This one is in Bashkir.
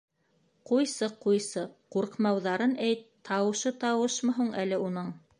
— Ҡуйсы... ҡуйсы, ҡурҡмауҙарын әйт, тауышы тауышмы һуң әле уның.